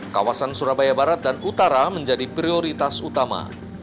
kawasan surabaya barat dan utara menjadi prioritas utama